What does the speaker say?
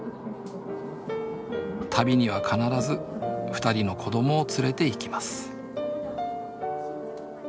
旅には必ず２人の子供を連れていきます